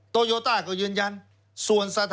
โตโยต้าก็ยืนยัน